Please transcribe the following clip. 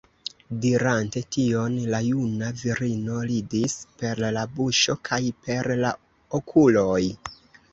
Dirante tion, la juna virino ridis per la buŝo kaj per la okuloj.